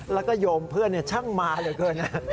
แล้วก็โยมเพื่อนช่างมาเหลือเกิน